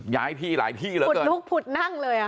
ย้ายที่หลายที่แล้วครับพุดนั่งเลยค่ะ